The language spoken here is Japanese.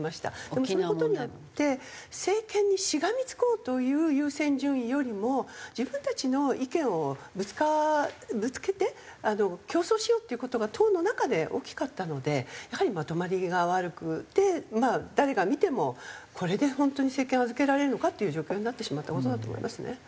でもその事によって政権にしがみつこうという優先順位よりも自分たちの意見をぶつけて競争しようっていう事が党の中で大きかったのでやはりまとまりが悪くてまあ誰が見てもこれで本当に政権を預けられるのかっていう状況になってしまった事だと思いますね。